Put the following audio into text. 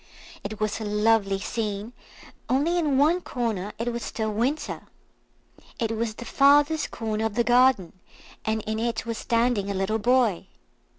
It was a lovely scene, only in one corner it was still winter. It was the farthest corner of the garden, and in it was standing a little boy.